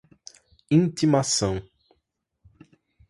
intimação